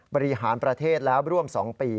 บริหารประเทศแล้วร่วม๒ปี